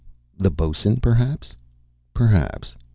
The bo's'n perhaps? Perhaps!